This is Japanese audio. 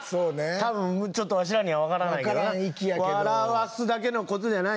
多分、ちょっとわしらには分からんけどな。